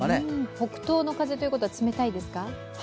北東の風ということは、冷たいですか？